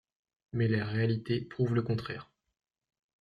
Mais la réalité prouve le contraire.